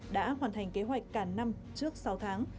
đã hoàn thành kế hoạch cả năm trước sáu tháng